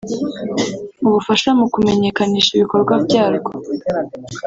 ubufasha mu kumenyekanisha ibikorwa byarwo